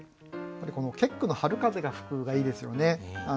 この結句の「春風が吹く」がいいですよね。